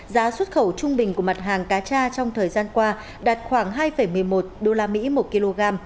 giá xuất khẩu trung bình của mặt hàng cà cha trong thời gian qua đạt khoảng hai một mươi một đô la mỹ một kg